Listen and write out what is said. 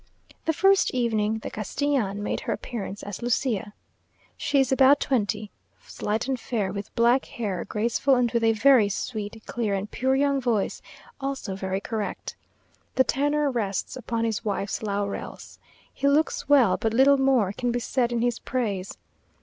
The first evening, the Castellan made her appearance as Lucia. She is about twenty; slight and fair, with black hair, graceful, and with a very sweet, clear, and pure young voice, also very correct. The tenor rests upon his wife's laurels. He looks well, but little more can be said in his praise.